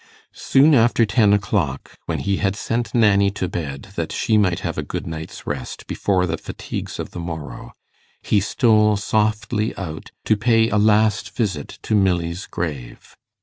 Soon after ten o'clock, when he had sent Nanny to bed, that she might have a good night's rest before the fatigues of the morrow, he stole softly out to pay a last visit to Milly's grave.